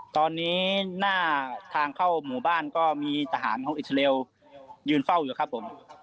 ตอนนี้หน้าทางเข้าหมู่บ้านก็มีทหารของอิสราเอลยืนเฝ้าอยู่ครับผม